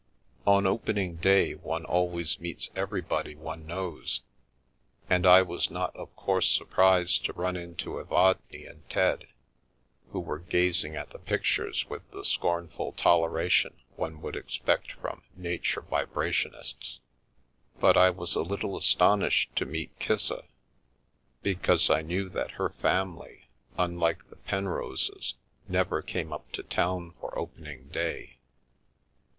On Opening Day one always meets everybody one knows, and I was not of course surprised to run into Evadne and Ted, who were gazing at the pictures with the scornful toleration one would expect from " Nature Vibrationists." But I was a little astonished to meet Kissa, because I knew that her family, unlike the Pen roses, never came up to town for Opening Day.